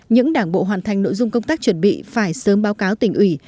những đảng bộ hoàn thành nội dung công tác chuẩn bị phải sớm báo cáo tỉnh ủy